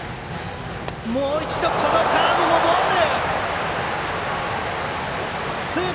もう一度のカーブもボール。